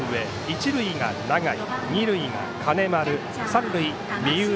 一塁が永井二塁が金丸、三塁、三浦。